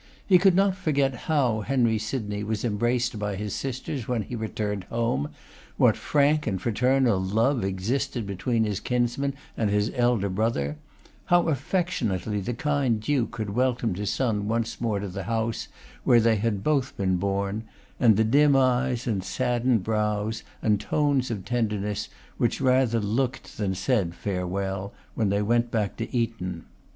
He could not forget how Henry Sydney was embraced by his sisters when he returned home; what frank and fraternal love existed between his kinsman and his elder brother; how affectionately the kind Duke had welcomed his son once more to the house where they had both been born; and the dim eyes, and saddened brows, and tones of tenderness, which rather looked than said farewell, when they went back to Eton.